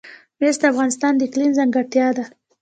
مس د افغانستان د اقلیم ځانګړتیا ده.